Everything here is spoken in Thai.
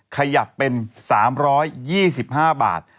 ขยับเป็น๓๒๕บาท